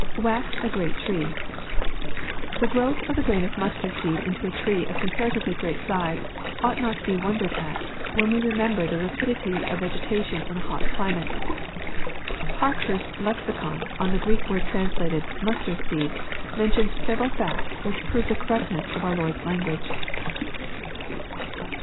[ Waoced a grecU tree.] The growth of the grain of mustard seed into a tree of comparatively great size, ought not to be wondered at, when we remember the rapidity of vegetation in a hot climate. Parkhurst's Lexicon, on the Greek word translated " mustard seed,*' mentions several facts which prove the correctness of our Lord's language.